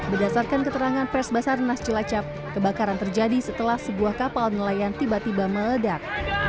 berdasarkan keterangan pres basarnas cilacap kebakaran terjadi setelah sebuah kapal nelayan tiba tiba meledak